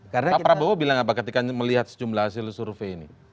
pak prabowo bilang apa ketika melihat sejumlah hasil survei ini